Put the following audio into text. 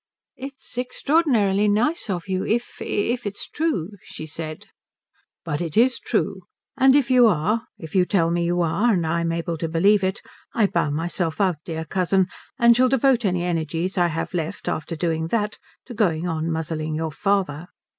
"It's extraordinarily nice of you if if it's true," she said. "But it is true. And if you are, if you tell me you are and I'm able to believe it, I bow myself out, dear cousin, and shall devote any energies I have left after doing that to going on muzzling your father.